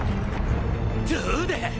どうだ！